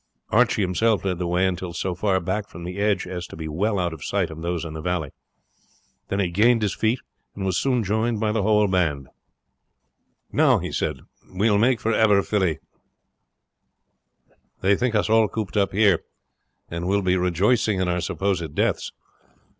Archie himself led the way until so far back from the edge as to be well out of sight of those in the valley. Then he gained his feet, and was soon joined by the whole of his band. "Now," he said, "we will make for Aberfilly; they think us all cooped up here, and will be rejoicing in our supposed deaths.